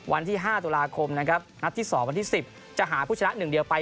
วันที่๕ตุลาคมนะครับนัดที่๒วันที่๑๐จะหาผู้ชนะ๑เดียวไป